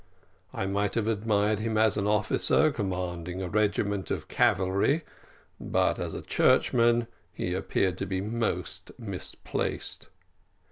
I might have admired him as an officer commanding a regiment of cavalry, but as a churchman he appeared to be most misplaced.